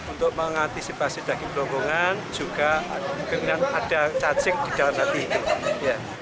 untuk mengantisipasi daging kerongkongan juga dengan ada cacing di dalam hati itu